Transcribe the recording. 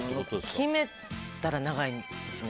決めたら長いですね。